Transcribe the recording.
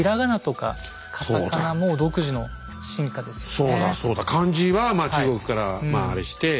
そうだそうだ漢字は中国からあれして。